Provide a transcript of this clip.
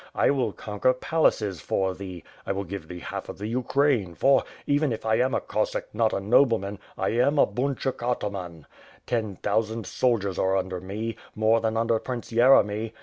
I will conquer palaces for thee; will give thee half of the Ukraine for, even if T am a Cossack, not a nobleman, I am an bunchuk ataman. Ten thousand soldiers are under me, more than under Prince Yeremy.